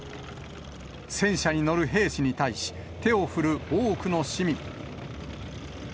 戦車に乗る兵士に対し、手を振る多くの市民。